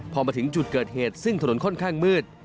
พอมาถึงจุดเกิดเหตุซึ่งถนนค่อนข้างมืด